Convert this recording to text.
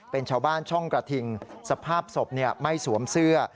เป็นชาวบ้านช่องกระทิงสภาพศพไม่สวมเสื้อ